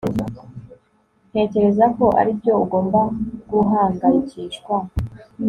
Ntekereza ko aribyo ugomba guhangayikishwa